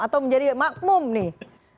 atau menjadi makmum nih